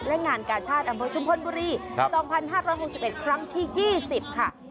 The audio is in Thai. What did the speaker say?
และงานกาชาติอำเภอชุมพลบุรี๒๕๖๑ครั้งที่๒๐ค่ะ